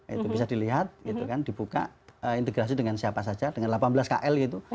itu bisa dilihat gitu kan dibuka integrasi dengan siapa saja dengan delapan belas kl gitu